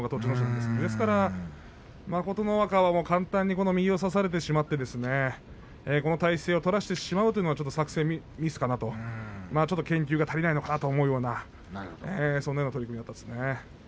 ですから琴ノ若は簡単に右を差されてしまってこの体勢をされてしまうというのは作戦ミスかなとちょっと研究が足りないのかなと思うようなそんな取組でした。